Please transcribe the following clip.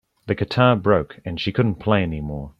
The guitar broke and she couldn't play anymore.